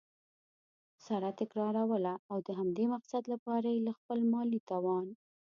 سره تكراروله؛ او د همدې مقصد له پاره یي له خپل مالي توان